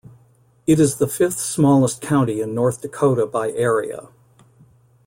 It is the fifth-smallest county in North Dakota by area.